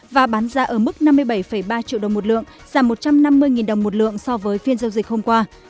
và bán ra ở mức năm mươi bảy ba triệu đồng một lượng giảm một trăm năm mươi đồng một lượng so với phiên giao dịch hôm qua